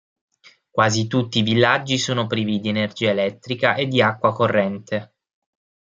Quasi tutti i villaggi sono privi di energia elettrica e di acqua corrente.